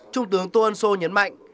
trung tướng tuân sô nhấn mạnh